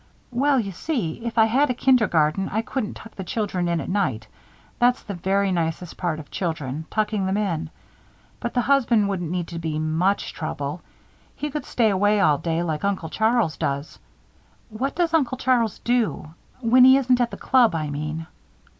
"Well, you see, if I had a kindergarten, I couldn't tuck the children in at night. That's the very nicest part of children tucking them in. But the husband wouldn't need to be much trouble. He could stay away all day like Uncle Charles does. What does Uncle Charles do? When he isn't at the Club, I mean?"